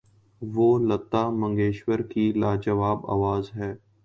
وہ لتا منگیشکر کی لا جواب آواز ہے۔